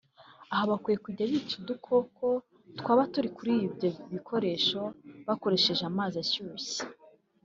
aha bakwiye kujya bica udukoko twaba turi kuri ibyo bikoresho bakoresheje amazi ashyushye